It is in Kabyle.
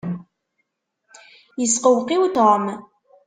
Yesqewqiw Tom.